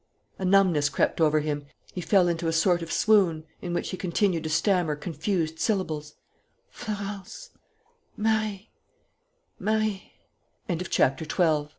A numbness crept over him. He fell into a sort of swoon, in which he continued to stammer confused syllables: "Florence Marie Marie " CHAPTER THIRTEE